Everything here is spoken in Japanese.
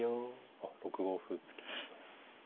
あっ６五歩突きましたね。